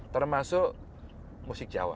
termasuk musik jawa